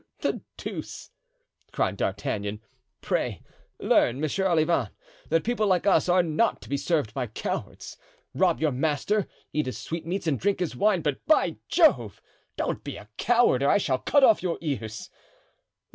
"The deuce!" cried D'Artagnan. "Pray learn, Monsieur Olivain, that people like us are not to be served by cowards. Rob your master, eat his sweetmeats, and drink his wine; but, by Jove! don't be a coward, or I shall cut off your ears.